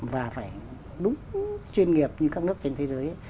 và phải đúng chuyên nghiệp như các nước trên thế giới